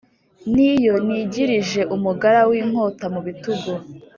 n’iyo nigirije umugara w’inkota mu bitugu